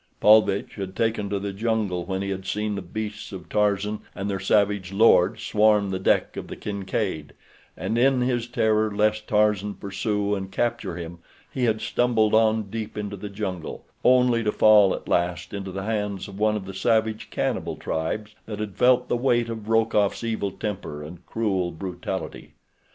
Paulvitch had taken to the jungle when he had seen the beasts of Tarzan and their savage lord swarm the deck of the Kincaid, and in his terror lest Tarzan pursue and capture him he had stumbled on deep into the jungle, only to fall at last into the hands of one of the savage cannibal tribes that had felt the weight of Rokoff's evil temper and cruel brutality.